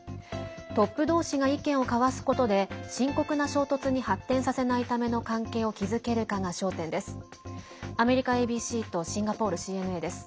トップ同士が意見を交わすことで深刻な衝突に発展させないための関係を築けるかが焦点です。